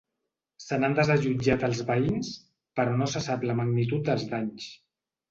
Se n’han desallotjat els veïns, però no se sap la magnitud dels danys.